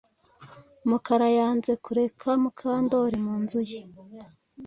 Mukara yanze kureka Mukandoli mu nzu ye